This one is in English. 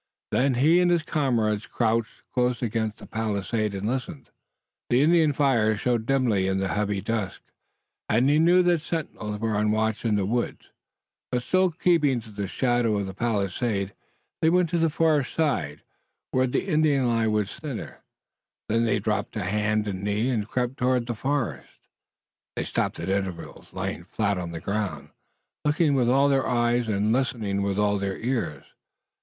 Then he and his comrades crouched, close against the palisade and listened. The Indian fires showed dimly in the heavy dusk, and they knew that sentinels were on watch in the woods, but still keeping in the shadow of the palisade they went to the far side, where the Indian line was thinner. Then they dropped to hand and knee and crept toward the forest. They stopped at intervals, lying flat upon the ground, looking with all their eyes and listening with all their ears.